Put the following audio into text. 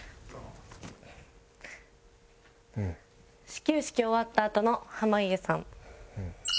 始球式終わったあとの濱家さん。